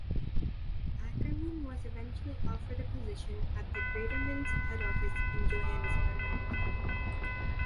Ackerman was eventually offered a position at Greatermans head office in Johannesburg.